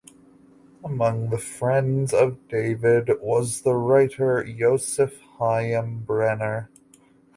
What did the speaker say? Among the friends of David was the writer Yosef Haim Brenner.